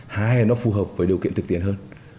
hay là nó phù hợp với điều kiện thực tiện hơn